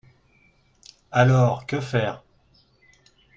Alors, que faire?